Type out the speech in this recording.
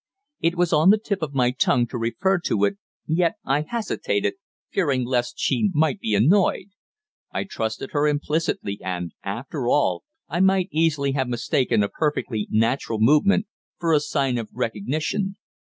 It was on the tip of my tongue to refer to it, yet I hesitated, fearing lest she might be annoyed. I trusted her implicitly, and, after all, I might easily have mistaken a perfectly natural movement for a sign of recognition.